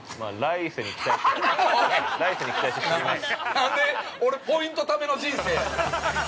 ◆なんで、俺、ポイントための人生やねん。